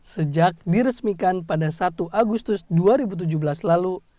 sejak diresmikan pada satu agustus dua ribu tujuh belas lalu